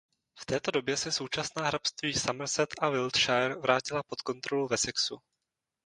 V této době se současná hrabství Somerset a Wiltshire vrátila pod kontrolu Wessexu.